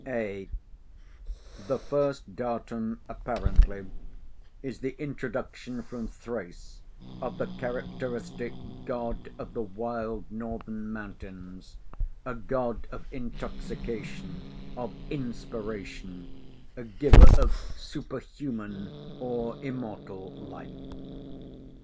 (a) The first datum, apparently, is the introduction from Thrace of the characteristic God of the wild northern mountains, a God of Intoxication, of Inspiration, a giver of superhuman or immortal life.